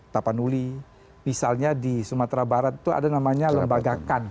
tapanuli misalnya di sumatera barat itu ada namanya lembaga kan